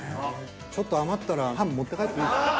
ちょっと余ったらパン持って帰っていいっすか。